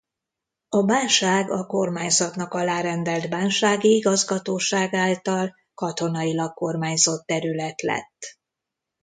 A bánság a kormányzatnak alárendelt Bánsági Igazgatóság által katonailag kormányzott terület lett.